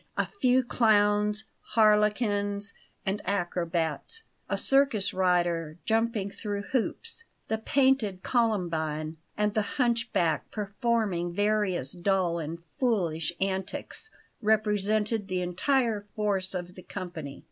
A few clowns, harlequins, and acrobats, a circus rider jumping through hoops, the painted columbine, and the hunchback performing various dull and foolish antics, represented the entire force of the company.